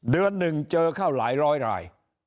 เดือนหนึ่งเจอเข้าหลายร้อยราย